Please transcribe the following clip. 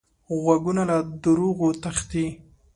غوږونه له دروغو تښتي